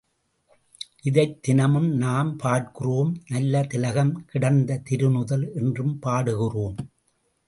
இதைத் தினமும் நாம் பார்க்கிறோம், நல்ல திலகம் கிடந்த திரு நுதல் என்றும் பாடுகிறோம்.